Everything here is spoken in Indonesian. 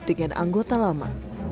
dari anggota lama